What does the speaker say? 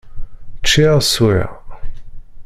Ččiɣ, swiɣ.